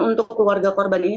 untuk keluarga korban ini